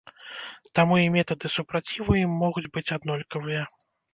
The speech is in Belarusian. Таму і метады супраціву ім могуць быць аднолькавыя.